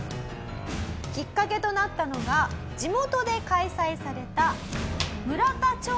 きっかけとなったのが地元で開催された。